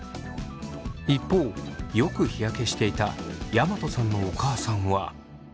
一方よく日焼けしていた山戸さんのお母さんは。